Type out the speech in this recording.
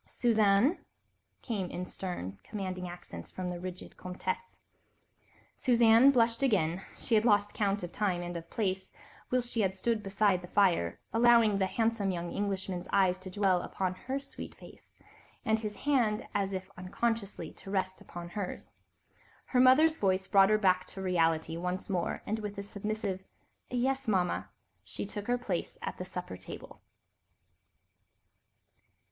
"Suzanne," came in stern, commanding accents from the rigid Comtesse. Suzanne blushed again; she had lost count of time and of place whilst she had stood beside the fire, allowing the handsome young Englishman's eyes to dwell upon her sweet face, and his hand, as if unconsciously, to rest upon hers. Her mother's voice brought her back to reality once more, and with a submissive "Yes, Mama," she too took her place at the supper table.